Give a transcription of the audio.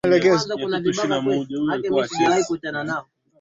ahmed shafik anasifika kama miongoni mwa viongozi imara